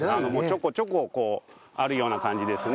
ちょこちょこあるような感じですね。